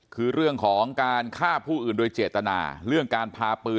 คือเรื่องของการฆ่าผู้อื่นโดยเจตนาเรื่องการพาปืน